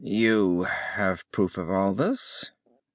"You have proof of all this?"